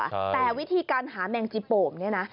แต่วิธีการหาแมงจีโป่งเนี่ยนะ